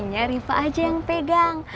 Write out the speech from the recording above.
kuncinya rifka aja yang pegang